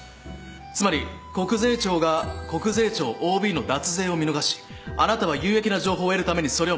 つまり国税庁が国税庁ＯＢの脱税を見逃しあなたは有益な情報を得るためにそれを。